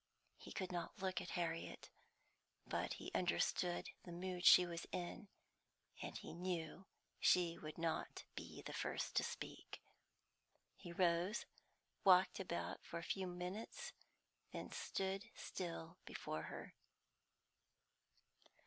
He could not look at Harriet, but he understood the mood she was in, and knew she would not be the first to speak. He rose, walked about for a few minutes, then stood still before her.